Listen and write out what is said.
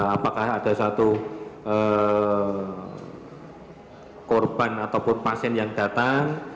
apakah ada satu korban ataupun pasien yang datang